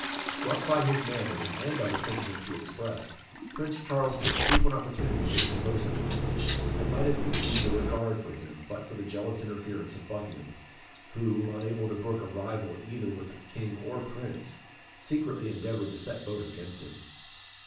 Struck by his manner, and by the sentiments he expressed, Prince Charles took frequent opportunities of conversing with him, and might have conceived a regard for him but for the jealous interference of Buckingham, who, unable to brook a rival either with the King or Prince, secretly endeavoured to set both against him.